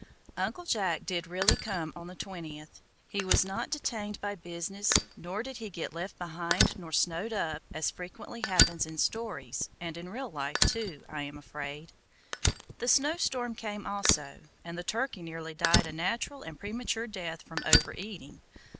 Uncle Jack did really come on the twentieth. He was not detained by business, nor did he get left behind nor snowed up, as frequently happens in stories, and in real life too, I am afraid. The snow storm came also; and the turkey nearly died a natural and premature death from over eating.